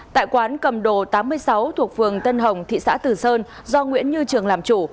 tại quán cầm đồ tám mươi sáu thuộc phường tân hồng thị xã tử sơn do nguyễn như trường làm chủ